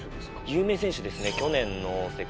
有名選手ですね。